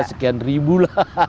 sekian ribu lah